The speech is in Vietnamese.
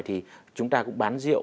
thì chúng ta cũng bán rượu